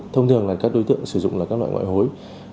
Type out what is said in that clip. thông thường là các đối tượng sử dụng là các loại ngoại hối